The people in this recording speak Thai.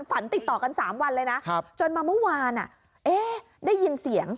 ติดต่อกัน๓วันเลยนะจนมาเมื่อวานได้ยินเสียง